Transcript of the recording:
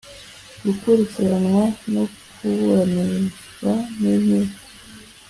gukurikiranwa no kuburanishwa n inkiko